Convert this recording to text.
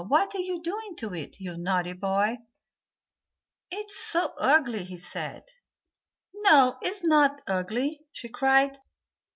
What are you doing to it, you naughty boy?" "It's so ugly," he said. "No, it is not ugly," she cried.